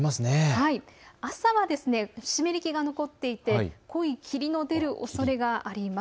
朝は湿り気が残っていて濃い霧の出るおそれがあります。